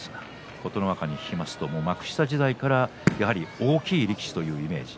琴ノ若に聞くと幕下時代からやはり大きい力士というイメージ